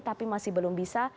tapi masih belum bisa